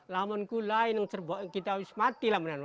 laman kulai kita mati lah mendingan